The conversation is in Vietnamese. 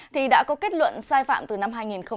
thì đã có kết luận sai phạm từ năm hai nghìn một mươi